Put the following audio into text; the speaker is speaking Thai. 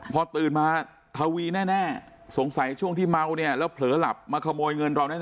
พอตื่นมาทวีแน่สงสัยช่วงที่เมาเนี่ยแล้วเผลอหลับมาขโมยเงินเราแน่